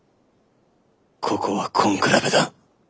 ここは根比べだ。